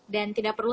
dan tidak perlu